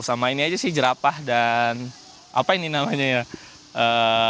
sama ini aja sih jerapah dan apa ini namanya ya